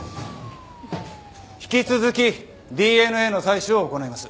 引き続きＤＮＡの採取を行います。